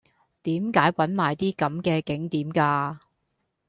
點解搵埋啲咁既景點嫁